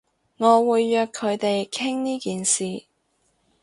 我會約佢哋傾呢件事